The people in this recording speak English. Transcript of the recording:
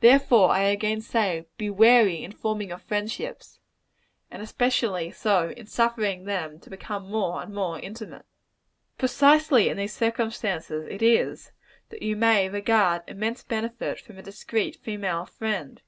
Therefore, I again say, be wary in forming your friendships and especially so, in suffering them to become more and more intimate. Precisely in these circumstances is it, that you may derive immense benefit from a discreet female friend.